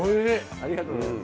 ありがとうございます。